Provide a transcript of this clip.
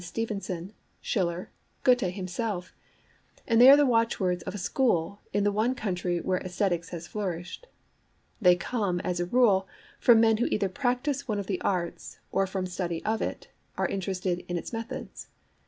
Stevenson, Schiller, Goethe himself; and they are the watchwords of a school in the one country where Aesthetics has flourished. They come, as a rule, from men who either practise one of the arts, or, from study of it, are interested in its methods.